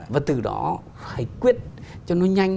và từ đó hãy quyết cho nó nhanh